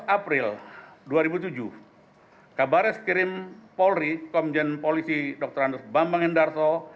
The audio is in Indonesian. tiga belas april dua ribu tujuh kabar eskrim polri komjen polisi dr andrus bambang hendarto